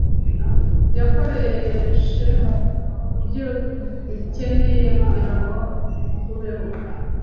yakoreshe mu byo ucyeneye kugira ngo ubeho